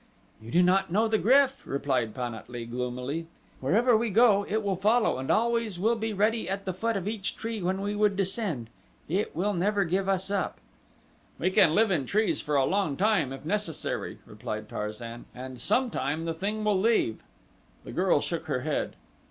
"You do not know the GRYF," replied Pan at lee gloomily. "Wherever we go it will follow and always it will be ready at the foot of each tree when we would descend. It will never give us up." "We can live in the trees for a long time if necessary," replied Tarzan, "and sometime the thing will leave." The girl shook her head.